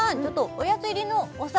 おやつ入りのお皿